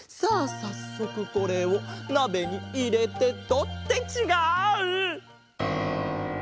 さっそくこれをなべにいれてと。ってちがう！